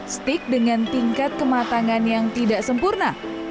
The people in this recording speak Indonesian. stick dengan tingkat kematangan yang tidak sempurna